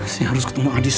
saya harus ketemu adis